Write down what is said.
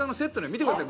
見てください。